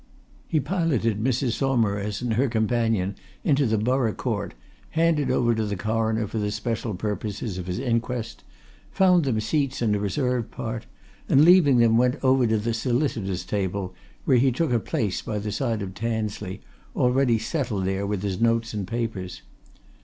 He piloted Mrs. Saumarez and her companion into the borough Court, handed over to the Coroner for the special purposes of his inquest, found them seats in a reserved part, and leaving them went over to the solicitor's table, where he took a place by the side of Tansley, already settled there with his notes and papers.